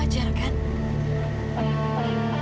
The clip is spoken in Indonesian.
wajar gak sih man kalau mama bersikap kayak gitu